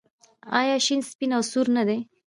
آیا شین سپین او سور نه دي؟